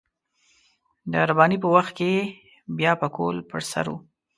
د رباني په وخت کې يې بيا پکول پر سر و.